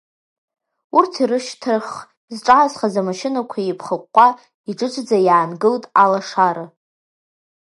Урҭ ирышьҭархх зҿаазхаз амашьынақәа еиԥхыҟәҟәа, иџыџӡа иаангылт Алашара…